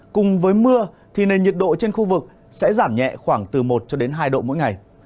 cùng với mưa nền nhiệt độ trên khu vực sẽ giảm nhẹ khoảng từ một hai độ mỗi ngày